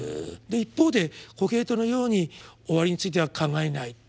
で一方でコヘレトのように「終わりについては考えない。